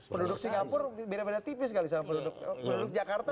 penduduk singapura beda beda tipis kali sama penduduk jakarta